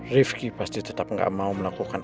riefki pasti tetap gak mau melakukan